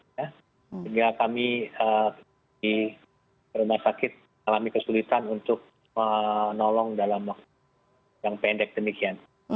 sehingga kami di rumah sakit alami kesulitan untuk menolong dalam waktu yang pendek demikian